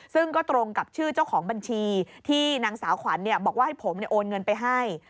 ซึ่งก็ตรงกับชื่อเจ้าของบัญชีที่นางสาวขวัญบอกว่าให้ผมโอนเงินไปให้